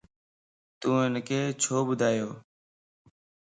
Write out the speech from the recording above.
تو ھنک ڇو ٻڌايووَ؟